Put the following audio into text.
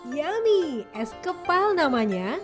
yummy es kepal namanya